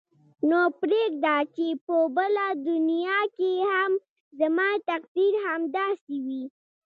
نو پرېږده چې په بله دنیا کې هم زما تقدیر همداسې وي.